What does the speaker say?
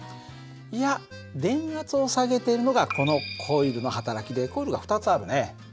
いや電圧を下げてるのがこのコイルの働きでコイルが２つあるね。